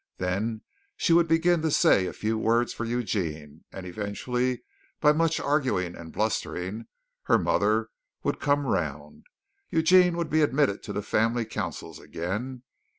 Then she would begin to say a few words for Eugene, and eventually by much arguing and blustering, her mother would come round. Eugene would be admitted to the family councils again.